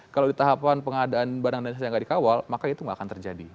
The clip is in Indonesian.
kalau di tahapan pengadaan barang dan jasa yang nggak dikawal maka itu nggak akan terjadi